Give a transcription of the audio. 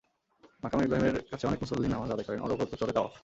মাকামে ইব্রাহিমের কাছে অনেক মুসল্লি নামাজ আদায় করেন, অনবরত চলে তাওয়াফ।